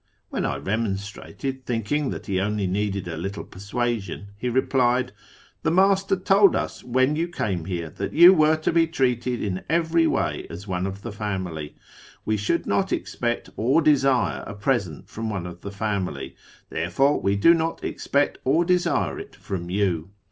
When I remonstrated, thinking that he only needed a little persuasion, he replied, " The master told us :, when you came here that you were to be treated in every way if as one of the family : we should not expect or desire a present from one of the family ; therefore w^e do not expect or desire it from you.